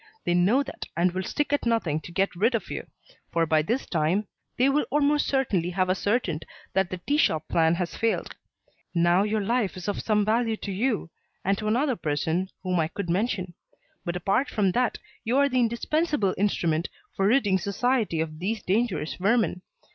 They know that and will stick at nothing to get rid of you for by this time they will almost certainly have ascertained that the tea shop plan has failed. Now your life is of some value to you and to another person whom I could mention; but apart from that, you are the indispensable instrument for ridding society of these dangerous vermin.